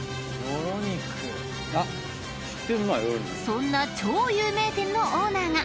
［そんな超有名店のオーナーが］